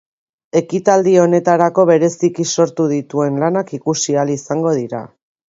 Ekitadi honetarako bereziki sortu dituen lanak ikusi ahal izango dira.